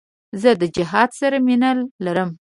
زه د جهاد سره مینه لرم.